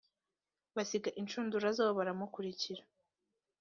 basiga inshundura zabo baramukurikira